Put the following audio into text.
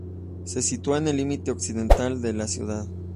Se sitúa en el límite occidental de la ciudad.